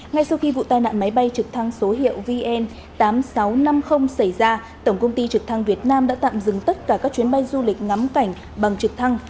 ngay sau khi vụ tai nạn máy bay trực thăng số hiệu vn tám nghìn sáu trăm năm mươi xảy ra tổng công ty trực thăng việt nam đã tạm dừng tất cả các chuyến bay du lịch ngắm cảnh bằng trực thăng